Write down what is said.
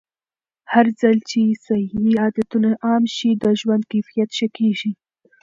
هرځل چې صحي عادتونه عام شي، د ژوند کیفیت ښه کېږي.